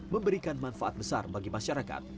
memberikan manfaat besar bagi masyarakat